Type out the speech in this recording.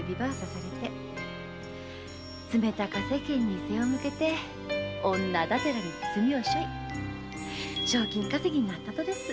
冷たか世間に背を向けて女だてらに墨を背負い賞金稼ぎになったとです。